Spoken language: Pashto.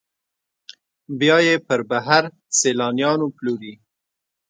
بیا یې پر بهر سیلانیانو پلوري.